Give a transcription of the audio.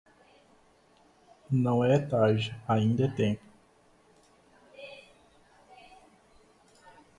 Não é tarde, ainda é tempo